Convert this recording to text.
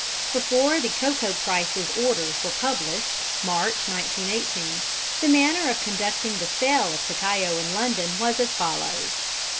_ Before the Cocoa Prices Orders were published (March, 1918) the manner of conducting the sale of cacao in London was as follows.